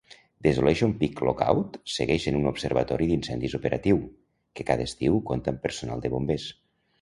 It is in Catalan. Desolation Peak Lookout segueix sent un observatori d'incendis operatiu, que cada estiu compta amb personal de bombers.